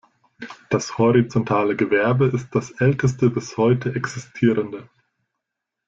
Das horizontale Gewerbe ist das älteste bis heute existierende.